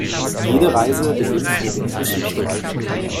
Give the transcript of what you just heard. Jede Reise beginnt mit dem ersten Schritt.